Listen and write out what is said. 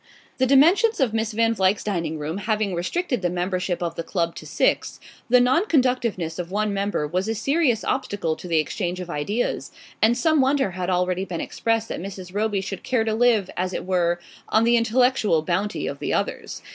The dimensions of Miss Van Vluyck's dining room having restricted the membership of the club to six, the nonconductiveness of one member was a serious obstacle to the exchange of ideas, and some wonder had already been expressed that Mrs. Roby should care to live, as it were, on the intellectual bounty of the others.